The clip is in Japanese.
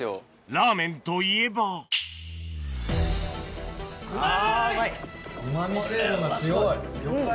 ラーメンといえばうまい！